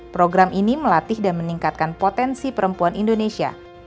program ini melatih dan meningkatkan potensi perempuan indonesia